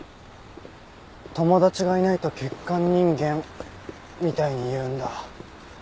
友達がいないと欠陥人間みたいに言うんだうちの親。